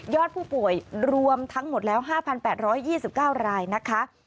ผู้ป่วยรวมทั้งหมดแล้ว๕๘๒๙รายนะคะ